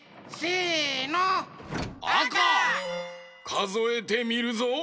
かぞえてみるぞ。